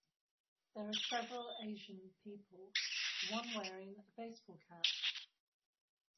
There are several asian people, one wearing a baseball cap.